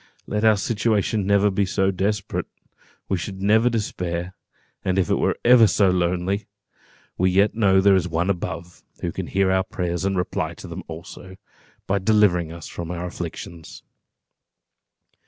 Let our situation be ever so desperate, we should never despair; and if it were ever so lonely, we yet know that there is One above, who can hear our prayers, and reply to them also, by delivering us from our afflictions.